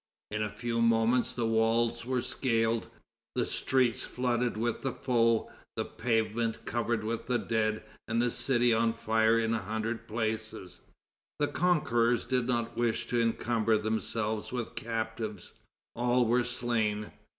In a few moments the walls were scaled, the streets flooded with the foe, the pavements covered with the dead, and the city on fire in an hundred places. The conquerors did not wish to encumber themselves with captives. All were slain.